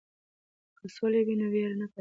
که سوله وي نو وېره نه پاتې کیږي.